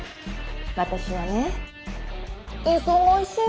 私はね忙しいのよ。